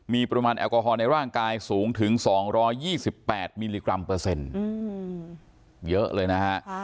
มีปริมาณแอลกอฮอลในร่างกายสูงถึง๒๒๘มิลลิกรัมเปอร์เซ็นต์เยอะเลยนะฮะ